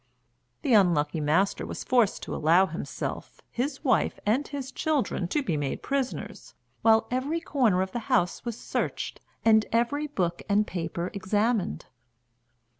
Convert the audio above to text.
The unlucky master was forced to allow himself, his wife, and his children to be made prisoners, while every corner of the house was searched and every book and paper examined.